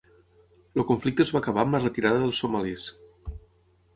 El conflicte es va acabar amb la retirada dels somalis.